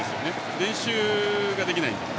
練習ができないので。